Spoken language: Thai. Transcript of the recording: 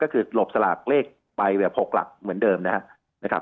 ก็คือหลบสลากเลขไปแบบ๖หลักเหมือนเดิมนะครับ